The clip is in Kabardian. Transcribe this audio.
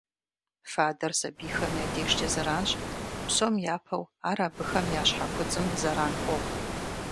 Фадэр сабийхэм я дежкӀэ зэранщ, псом япэу ар абыхэм я щхьэ куцӀым зэран хуохъу.